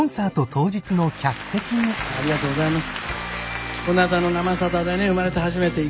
ありがとうございます。